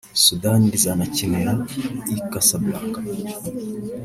Sudani (rizakinira i Casablanca)